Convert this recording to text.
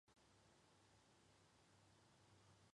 而海滩德军兵力为一个团。